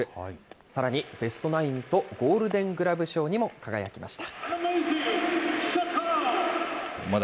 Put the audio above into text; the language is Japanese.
さらにベストナインと、ゴールデン・グラブ賞にも輝きました。